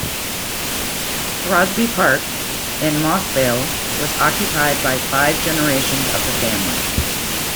Throsby Park in Moss Vale was occupied by five generations of the family.